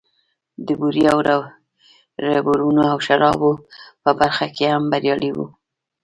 د بورې او ربړونو او شرابو په برخه کې هم بريالی و.